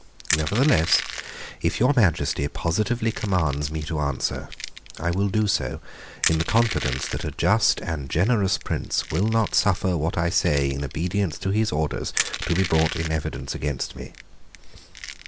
Nevertheless, if your Majesty positively commands me to answer, I will do so in the confidence that a just and generous prince will not suffer what I say in obedience to his orders to be brought in evidence against me."